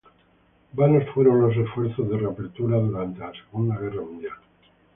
Vanos fueron los esfuerzos de reapertura durante la Segunda Guerra Mundial.